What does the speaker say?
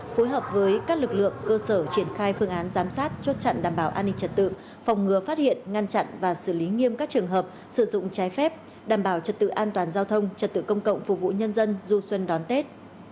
phối hợp với các lực lượng cơ sở triển khai phương án giám sát chốt chặn đảm bảo an ninh trật tự phòng ngừa phát hiện ngăn chặn và xử lý nghiêm các trường hợp sử dụng trái phép đảm bảo trật tự an toàn giao thông trật tự công cộng phục vụ nhân dân du xuân đón tết